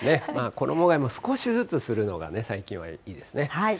衣がえも少しずつするのが最近はいいですね。